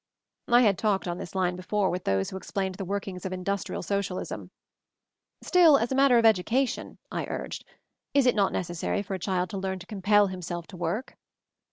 I had talked on this line before with those who explained the workings of industrial socialism. "Still, as a matter of education," I urged, "is it not necessary for a child to learn to compel himself to work?"